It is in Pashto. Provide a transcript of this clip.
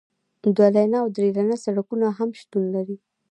دوه لینه او درې لینه سړکونه هم شتون لري